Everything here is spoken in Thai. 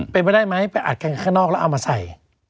เป็นไปได้ไหมไปอัดกันข้างนอกแล้วเอามาใส่